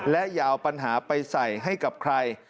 และอย่าเอาปัญหาไปใส่ให้กับใคร